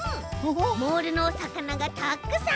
モールのおさかながたくさん！